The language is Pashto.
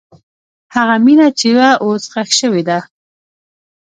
هغه مینه چې وه، اوس ښخ شوې ده.